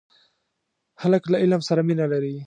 هلک له علم سره مینه لري.